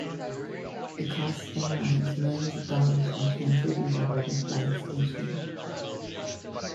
It costs airlines millions of dollars in cancelled and diverted flights each year.